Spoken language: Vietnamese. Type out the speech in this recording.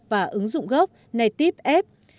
và ứng dụng gốc native app